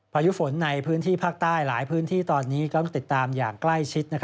พายุฝนในพื้นที่ภาคใต้หลายพื้นที่ตอนนี้ก็ต้องติดตามอย่างใกล้ชิด